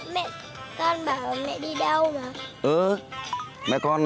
mẹ con bảo mẹ đi đâu mà